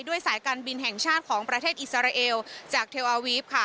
สายการบินแห่งชาติของประเทศอิสราเอลจากเทลอาวีฟค่ะ